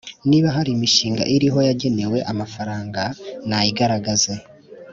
Niba hari imishinga iriho yagenewe amafaranga nayigaragaze,